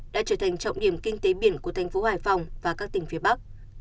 đã trở thành trọng điểm kinh tế biển của thành phố hải phòng và các tỉnh phía bắc